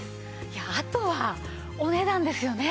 いやああとはお値段ですよね。